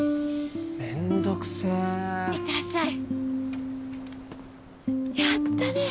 めんどくせ行ってらっしゃいやったね